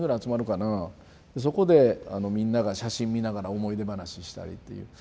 そこでみんなが写真見ながら思い出話したりっていう。